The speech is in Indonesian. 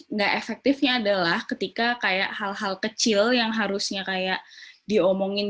nggak efektifnya adalah ketika kayak hal hal kecil yang harusnya kayak diomongin